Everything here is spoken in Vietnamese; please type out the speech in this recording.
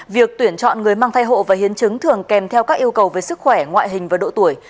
việc tuyển chọn người mang thai hộ và hiến chứng thường kèm theo các yêu cầu về sức khỏe ngoại hình và độ tuổi